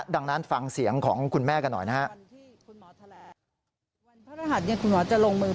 ดังนั้นฟังเสียงของคุณแม่กันหน่อยนะครับ